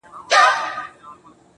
دا سپك هنر نه دى چي څوك يې پــټ كړي~